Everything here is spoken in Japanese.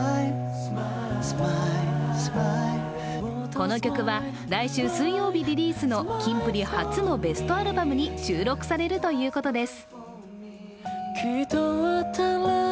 この曲は、来週水曜日リリースのキンプリ初のベストアルバムに収録されるということです。